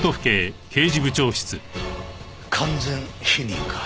完全否認か。